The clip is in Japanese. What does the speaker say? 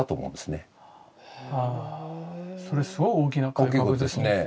あそれすごい大きな改革ですね。